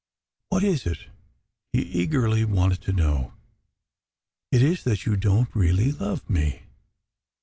"What is it?" he eagerly wanted to know. "It is that you don t really love me."